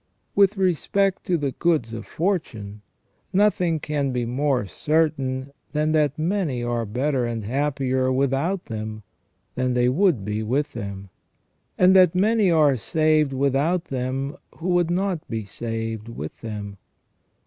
With respect to the goods of fortune, nothing can be more certain than that many are better and happier without them than they would be with them ; and that many are saved without them who would not be saved with them.